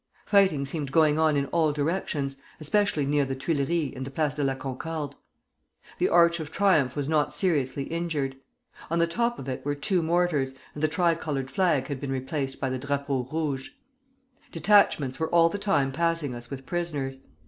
Fighting seemed going on in all directions, especially near the Tuileries and the Place de la Concorde. The Arch of Triumph was not seriously injured. On the top of it were two mortars, and the tricolored flag had been replaced by the drapeau rouge. Detachments were all the time passing us with prisoners.